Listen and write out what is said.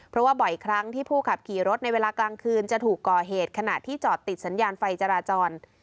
เพราะว่าบ่อยครั้งที่ผู้ขับขี่รถในเวลากลางคืนจะถูกก่อเหตุขณะที่จอดติดสัญญาณไฟจราจร